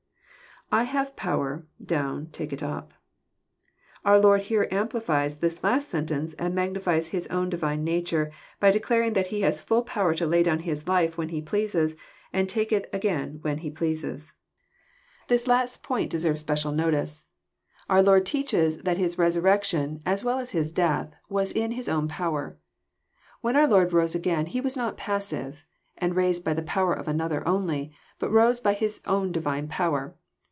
[/ Tiave p<mer..,doum„.tahe it up.] Our Lord here smplifiea His last statement, and magnifies His own Divine nature, by declaring that He has fhll power to lay down His life when He pleases, and take it again when He pleases. This last point de« JOHN, CHAP. X. 201 serves special notice. Oar Lord teaches that His resurrection, ms well as His death, was in His own power. When our Lord rose again He was not passive, and raised by the power of another only, but rose by His own Divine power.